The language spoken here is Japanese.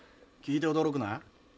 聞いて驚くな。